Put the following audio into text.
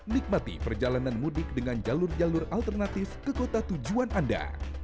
nikmati perjalanan mudik dengan jalur jalur alternatif ke kota tujuan anda